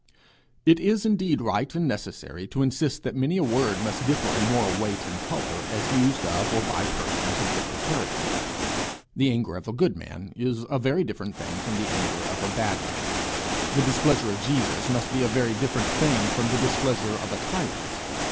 It is indeed right and necessary to insist that many a word must differ in moral weight and colour as used of or by persons of different character. The anger of a good man is a very different thing from the anger of a bad man; the displeasure of Jesus must be a very different thing from the displeasure of a tyrant.